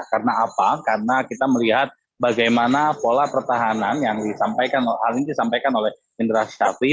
karena apa karena kita melihat bagaimana pola pertahanan yang disampaikan oleh indra syafi